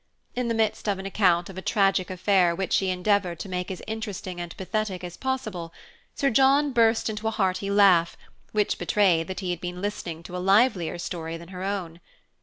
In the midst of an account of a tragic affair which she endeavored to make as interesting and pathetic as possible, Sir John burst into a hearty laugh, which betrayed that he had been listening to a livelier story than her own.